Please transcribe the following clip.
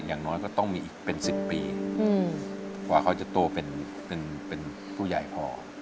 อย่างน้อยก็ต้องมีอีกเป็น๑๐ปีกว่าเขาจะโตเป็นผู้ใหญ่พอ